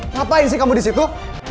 ngapain sih kamu di situ